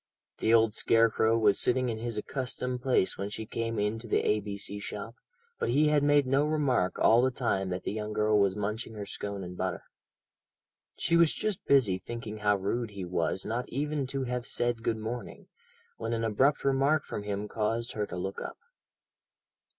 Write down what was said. The old scarecrow was sitting in his accustomed place when she came into the A.B.C. shop, but he had made no remark all the time that the young girl was munching her scone and butter. She was just busy thinking how rude he was not even to have said "Good morning," when an abrupt remark from him caused her to look up.